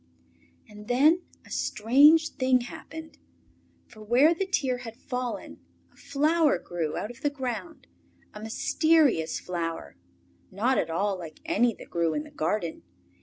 And then a strange thing happened. For where the tear had fallen a flower grew out of the ground, a mysterious flower, not at all like any that grew in the garden.